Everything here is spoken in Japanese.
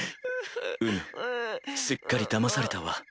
うぬすっかりだまされたわ。